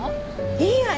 いいわね。